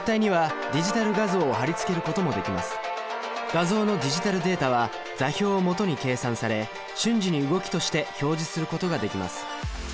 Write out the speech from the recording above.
画像のディジタルデータは座標をもとに計算され瞬時に動きとして表示することができます。